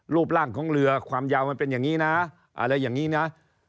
รูปร่างของเรือความยาวมันเป็นอย่างนี้นะอะไรอย่างนี้นะ